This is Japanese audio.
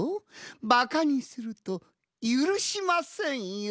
ばかにするとゆるしませんよ。